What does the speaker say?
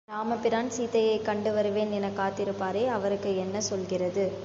ராமபிரான் சீதையைக் கண்டு வருவேன் எனக் காத்திருப்பாரே அவருக்கு என்ன சொல்கிறது?